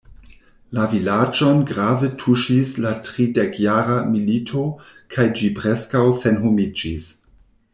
La vilaĝon grave tuŝis la tridekjara milito kaj ĝi preskaŭ senhomiĝis.